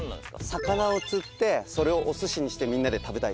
魚を釣ってそれをお寿司にしてみんなで食べたい。